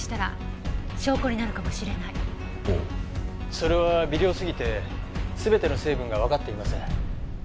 それは微量すぎて全ての成分がわかっていません。